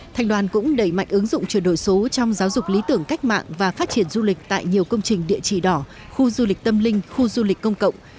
thành đoàn cũng đẩy mạnh ứng dụng chuyển đổi số trong giáo dục lý tưởng cách mạng và phát triển du lịch tại nhiều công trình địa chỉ đỏ khu du lịch tâm linh khu du lịch công cộng